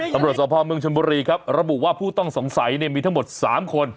สภาพเมืองชนบุรีครับระบุว่าผู้ต้องสงสัยมีทั้งหมด๓คน